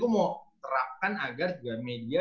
mau terapkan agar juga media